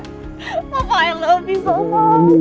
i love you bapak